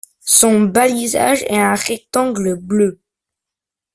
Son balisage est un rectangle bleu.